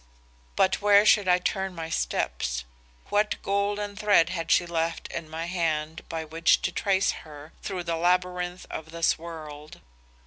But where should I turn my steps? What golden thread had she left in my hand by which to trace her through the labyrinth of this world?